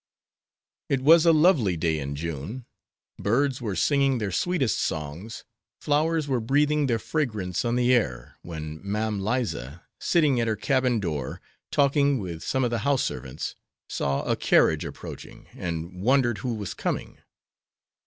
It was a lovely day in June, birds were singing their sweetest songs, flowers were breathing their fragrance on the air, when Mam Liza, sitting at her cabin door, talking with some of the house servants, saw a carriage approaching, and wondered who was coming.